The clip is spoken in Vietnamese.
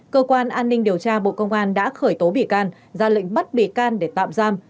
cơ quan an ninh điều tra bộ công an đã khởi tố bị can ra lệnh bắt bị can để tạm giam